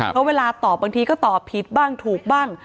เพราะเวลาตอบบางทีก็ตอบผิดบ้างถูกบ้าง